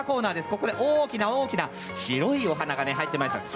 ここで大きな大きな広いお花が入ってまいりました。